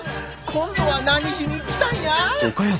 今度は何しに来たんや！